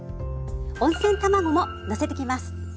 温泉卵ものせてきます。